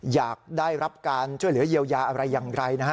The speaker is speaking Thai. อยากได้รับการช่วยเหลือเยียวยาอะไรอย่างไรนะฮะ